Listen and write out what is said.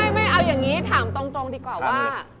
ไม่ถามตรงดีกว่าว่า